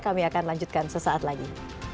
kami akan lanjutkan sesaat lagi